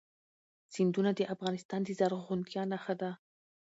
سیندونه د افغانستان د زرغونتیا نښه ده.